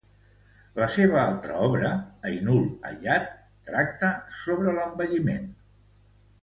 La seva altra obra, "Ainul Hayat" tracta sobre l'envelliment.